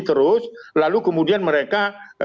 terus lalu kemudian mereka